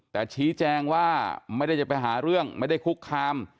แต่ชี้แจงว่าไม่ได้จะไปหาเรื่องไม่ได้คุกคาม